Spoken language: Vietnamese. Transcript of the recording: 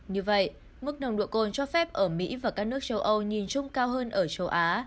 như vậy mức nồng độ cồn cho phép ở mỹ và các nước châu âu nhìn chung cao hơn ở châu á